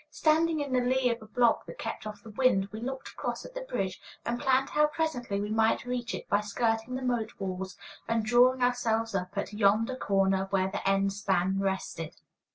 Standing in the lee of a block that kept off the wind, we looked across at the bridge, and planned how presently we might reach it by skirting the moat walls and drawing ourselves up at yonder corner where the end span rested.